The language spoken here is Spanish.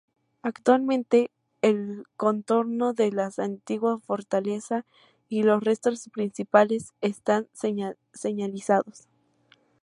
Actualmente, el contorno de la antigua fortaleza y los restos principales están señalizados.